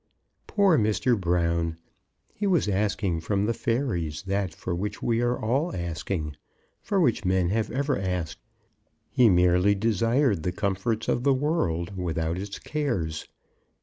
Poor Mr. Brown! He was asking from the fairies that for which we are all asking, for which men have ever asked. He merely desired the comforts of the world, without its cares.